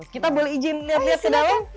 kita boleh izin lihat lihat sedang